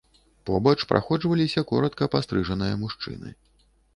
Побач праходжваліся коратка пастрыжаныя мужчыны.